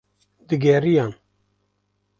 digeriyan